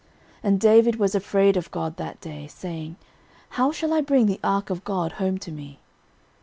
13:013:012 And David was afraid of God that day, saying, How shall I bring the ark of God home to me?